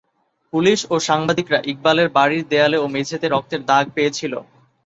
Police ও সাংবাদিকরা ইকবালের বাড়ির দেয়ালে ও মেঝেতে রক্তের দাগ পেয়েছিলেন।